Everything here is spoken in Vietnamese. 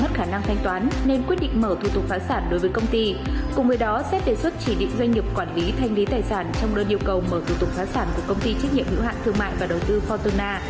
của công ty trách nhiệm hữu hạng thương mại và đầu tư fortuna